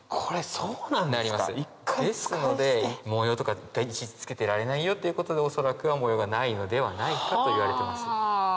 ですので模様とかいちいち付けてられないよっていうことでおそらくは模様がないのではないかといわれてます。